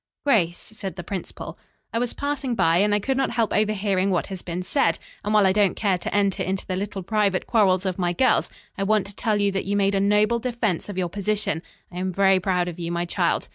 "Grace," said the principal, "I was passing by and I could not help overhearing what has been said, and while I don't care to enter into the little private quarrels of my girls, I want to tell you that you made a noble defense of your position. I am very proud of you, my child."